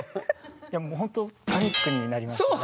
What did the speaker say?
いやほんとパニックになりましたね。